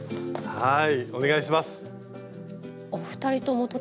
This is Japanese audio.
はい。